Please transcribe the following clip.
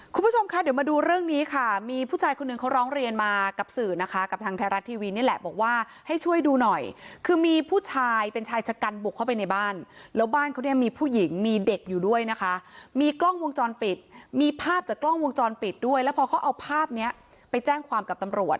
คุณผู้ชมคะเดี๋ยวมาดูเรื่องนี้ค่ะมีผู้ชายคนหนึ่งเขาร้องเรียนมากับสื่อนะคะกับทางไทยรัฐทีวีนี่แหละบอกว่าให้ช่วยดูหน่อยคือมีผู้ชายเป็นชายชะกันบุกเข้าไปในบ้านแล้วบ้านเขาเนี่ยมีผู้หญิงมีเด็กอยู่ด้วยนะคะมีกล้องวงจรปิดมีภาพจากกล้องวงจรปิดด้วยแล้วพอเขาเอาภาพเนี้ยไปแจ้งความกับตำรวจ